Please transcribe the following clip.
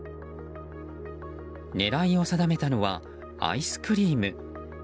狙いを定めたのはアイスクリーム。